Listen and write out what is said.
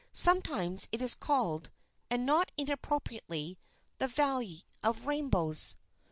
Sometimes it is called, and not inappropriately, the Valley of Rainbows.